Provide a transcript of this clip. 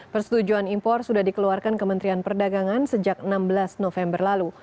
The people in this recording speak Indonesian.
persetujuan impor sudah dikeluarkan kementerian perdagangan sejak enam belas november lalu